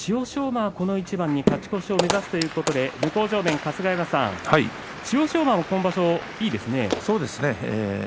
馬はこの一番に勝ち越しを目指すということで春日山さん、千代翔馬の今場所そうですね。